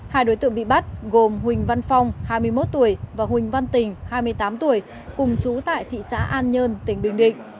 hai đối tượng bị bắt gồm huỳnh văn phong hai mươi một tuổi và huỳnh văn tình hai mươi tám tuổi cùng chú tại thị xã an nhơn tỉnh bình định